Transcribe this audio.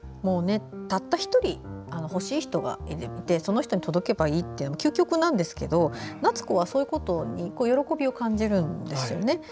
たった１人欲しい人がいてその人に届けばいいって究極なんですけど奈津子はそういうことに喜びを感じるんですよね。